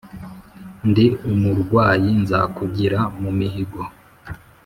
Ndi umurwanyi nzakugira mu mihigo.